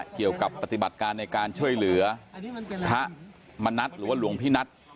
เกี่ยวกับปฏิบัติการในการช่วยเหลือพระมณัฐหรือว่าหลวงพี่นัท